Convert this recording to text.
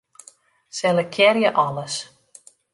Selektearje alles.